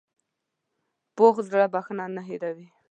پوخ زړه بښنه نه هېروي